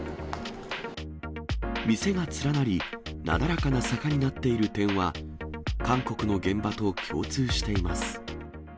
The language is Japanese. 店が連なり、なだらかな坂になっている点は、韓国の現場と共通しています。